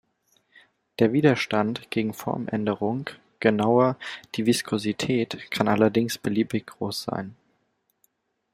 Der Widerstand gegen Formänderung, genauer die Viskosität, kann allerdings beliebig groß sein.